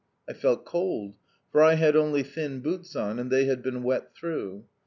I felt cold, for I had only thin boots on, and they had been wet through.